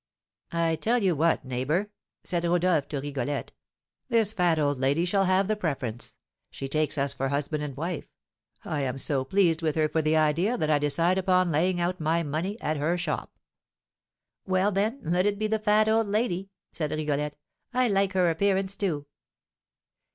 "I tell you what, neighbour," said Rodolph to Rigolette, "this fat old lady shall have the preference. She takes us for husband and wife. I am so pleased with her for the idea that I decide upon laying out my money at her shop." "Well, then, let it be the fat old lady," said Rigolette. "I like her appearance, too."